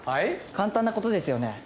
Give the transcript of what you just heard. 簡単なことですよね。